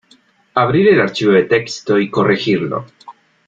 Abrir el archivo de texto y corregirlo.